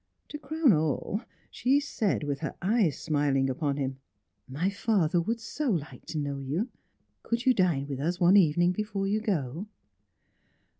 To crown all, she said, with her eyes smiling upon him: "My father would so like to know you; could you dine with us one evening before you go?"